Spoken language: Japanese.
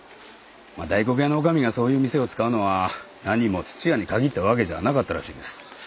まあ大黒屋のおかみがそういう店を使うのはなにも屋に限ったわけじゃなかったらしいです。